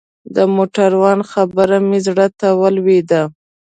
د موټروان خبره مې زړه ته ولوېده.